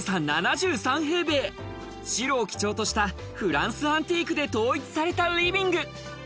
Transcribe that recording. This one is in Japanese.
広さ７３平米、白を基調としたフランスアンティークで統一されたリビング。